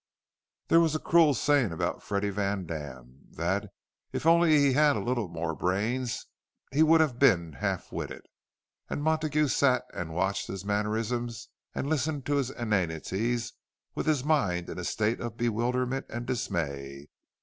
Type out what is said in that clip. There was a cruel saying about Freddie Vandam—that if only he had had a little more brains, he would have been half witted. And Montague sat, and watched his mannerisms and listened to his inanities, with his mind in a state of bewilderment and dismay.